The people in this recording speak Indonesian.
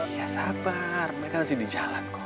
ya sabar mereka masih di jalan kok